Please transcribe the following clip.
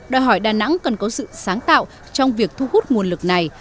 đòi hỏi đà nẵng cần có sự sáng tạo trong việc thu hút nguồn lực này